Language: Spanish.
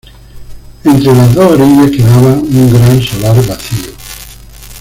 Entre las dos orillas quedaba un gran solar vacío.